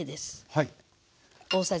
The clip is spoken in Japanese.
はい。